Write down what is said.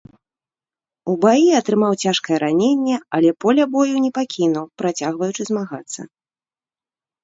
У баі атрымаў цяжкае раненне, але поля бою не пакінуў, працягваючы змагацца.